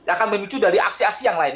akan memicu dari aksi aksi yang lain